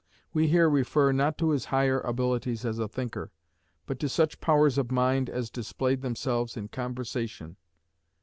We here refer, not to his higher abilities as a thinker, but to such powers of mind as displayed themselves in conversation.